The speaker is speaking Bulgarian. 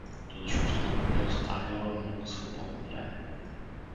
Длъжността му бе оставяла много свободно време.